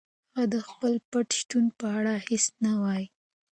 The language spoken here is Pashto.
هغه د خپل پټ شتون په اړه هیڅ نه وايي.